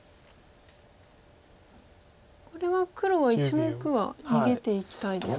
これは黒は１目は逃げていきたいですか。